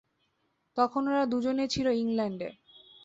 তখন ওরা দুজনেই ছিল ইংলণ্ডে।